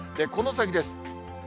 この先です。